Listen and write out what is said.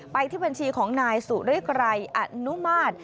ไปที่บัญชีของนายสุริกรัยอนุมาตร